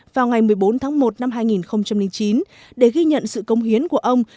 vào ngày một mươi bốn tháng một năm hai nghìn chín để ghi nhận sự công hiến của ông